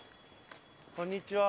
こんにちは。